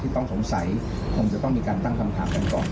ต้องสงสัยคงจะต้องมีการตั้งคำถามกันก่อน